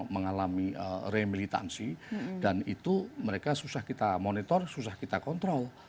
mengalami remilitansi dan itu mereka susah kita monitor susah kita kontrol